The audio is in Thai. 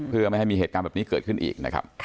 เพื่อไม่ให้มีเหตุการณ์แบบนี้เกิดขึ้นอีกนะครับ